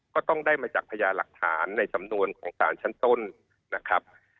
ก็ต้องได้มาจากพญาหลักฐานในสำนวนของสารชั้นต้นนะครับ